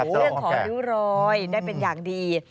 เรื่องของริ้วรอยได้เป็นอย่างดี